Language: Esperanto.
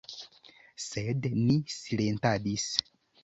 Sed ni silentadis.